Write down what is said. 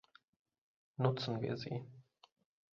Nutzen wir sie.